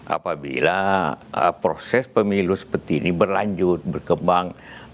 apabila proses pemilu seperti ini berlanjut berkembang